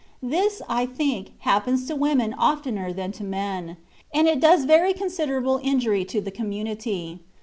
This, I think, happens to women oftener than to men, and it does very considerable injury ta the community.